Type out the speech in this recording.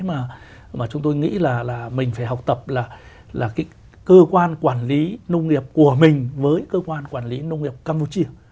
nhưng mà chúng tôi nghĩ là mình phải học tập là cơ quan quản lý nông nghiệp của mình với cơ quan quản lý nông nghiệp campuchia